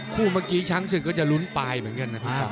คู่เมื่อกี้ชั้นสึกก็จะลุ้นปลายเหมือนกันนะพี่ป่า